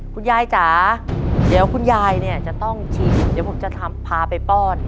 คุณยายจ๋าเดี๋ยวคุณยายเนี่ยจะต้องฉีกเดี๋ยวผมจะพาไปป้อน